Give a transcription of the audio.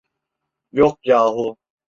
Yok yahu.